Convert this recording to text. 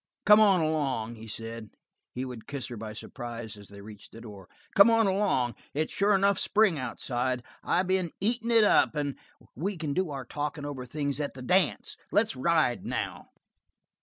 "Come on along," he said. He would kiss her by surprise as they reached the door. "Come on along. It's sure enough spring outside. I been eating it up, and we can do our talking over things at the dance. Let's ride now."